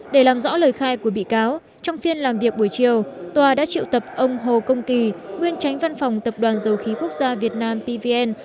để làm rõ lời khai của bị cáo trong phiên làm việc buổi chiều tòa đã triệu tập ông hồ công kỳ nguyên tránh văn phòng tập đoàn dầu khí quốc gia việt nam pvn